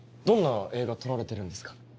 どんな映画撮られてるんですか？